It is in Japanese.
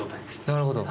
なるほど。